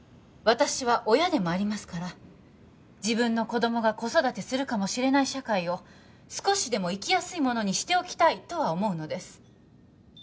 私は親でもありますから自分の子供が子育てするかもしれない社会を少しでも生きやすいものにしておきたいとは思うのです